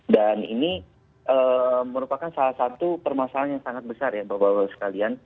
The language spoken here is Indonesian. dan ini merupakan salah satu permasalahan yang sangat besar ya bapak bapak sekalian